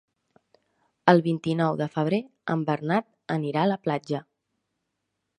El vint-i-nou de febrer en Bernat anirà a la platja.